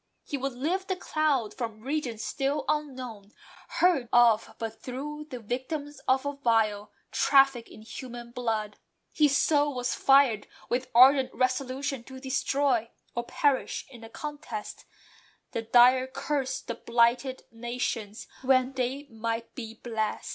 He Would lift the cloud from regions still unknown; Heard of but through the victims of a vile Traffic in human blood. His soul was fired With ardent resolution to destroy, (Or perish in the contest) the dire curse That blighted nations when they might be blest.